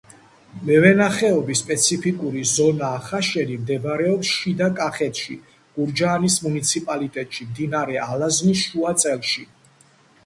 მევენახეობის სპეციფიკური ზონა ახაშენი მდებარეობს შიდა კახეთში, გურჯაანის მუნიციპალიტეტში, მდინარე ალაზნის შუა წელში.